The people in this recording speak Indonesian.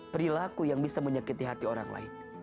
perilaku yang bisa menyakiti hati orang lain